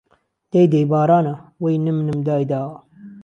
دهی دهی بارانه، وهی نم نم دای داوه